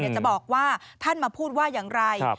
จะบอกว่าท่านมาพูดว่าอย่างไร